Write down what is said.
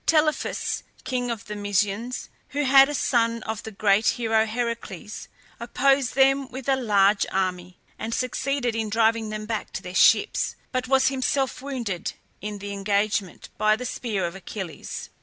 Telephus, king of the Mysians, who was a son of the great hero Heracles, opposed them with a large army, and succeeded in driving them back to their ships, but was himself wounded in the engagement by the spear of Achilles.